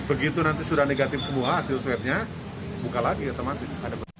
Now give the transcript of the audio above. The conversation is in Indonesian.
begitu nanti sudah negatif semua hasil swabnya buka lagi otomatis